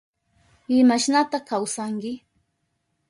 ¿Imashnata kawsanki?